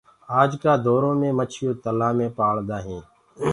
آج ڪآ دورو مي مڇيونٚ تلهآ مي پآݪدآ هينٚ